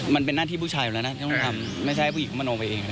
มันเป็นหน้าที่ผู้ชายอยู่แล้วนะที่ต้องทำไม่ใช่ให้ผู้หญิงเข้ามาโน้มไปเองนะครับ